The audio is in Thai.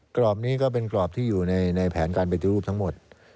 กรอบนี้ก็เป็นกรอบที่อยู่ในแผนการปฏิรูปทั้งหมด